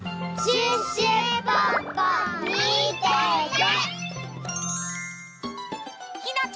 シュッシュポッポみてて！